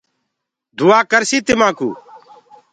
دُآآ ڪرسي تمآ ڪو